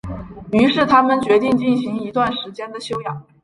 于是他们决定进行一段时间的休养。